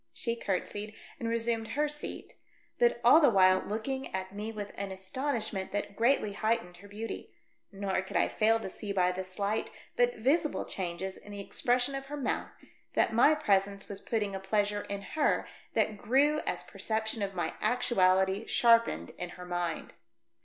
She curtsied and resumed her seat, but all the while looking at me with an astonishment that greatly heightened her beauty ; nor could I fail to see by the slight, but visible changes in the expression of her mouth, that my presence was putting a pleasure in her that grew as perception of my actuality sharpened in her mind.